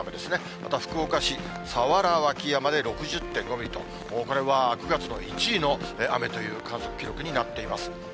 また福岡市早良脇山で６０．５ミリと、これは９月の１位の雨という観測記録になっています。